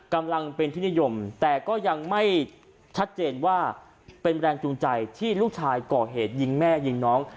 กำลังเป็นที่นิยมแต่ก็ยังไม่ชัดเจนว่าเป็นแรงจูงใจที่ลูกชายก่อเหตุยิงแม่ยิงน้อง